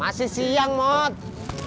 masi siang mas bur